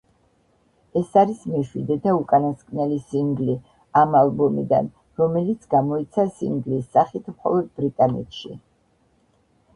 ეს არის მეშვიდე და უკანასკნელი სინგლი ამ ალბომიდან, რომელიც გამოიცა სინგლის სახით, მხოლოდ ბრიტანეთში.